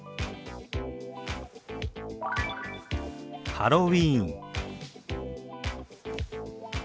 「ハロウィーン」。